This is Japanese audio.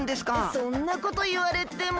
そんなこといわれても。